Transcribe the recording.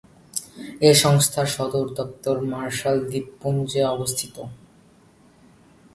এই সংস্থার সদর দপ্তর মার্শাল দ্বীপপুঞ্জে অবস্থিত।